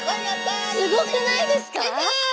すごくないですか？